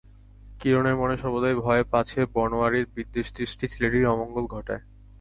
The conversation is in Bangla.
কিরণের মনে সর্বদাই ভয়, পাছে বনোয়ারির বিদ্বেষদৃষ্টি ছেলেটির অমঙ্গল ঘটায়।